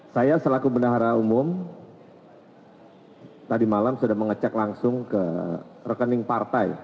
saya selaku bendahara umum tadi malam sudah mengecek langsung ke rekening partai